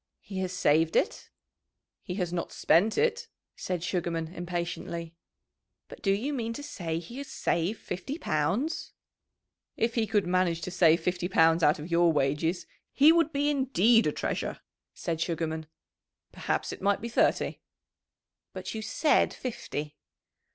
"He has saved it?" "He has not spent it," said Sugarman, impatiently. "But do you mean to say he has saved fifty pounds?" "If he could manage to save fifty pounds out of your wages he would be indeed a treasure," said Sugarman. "Perhaps it might be thirty." "But you said fifty."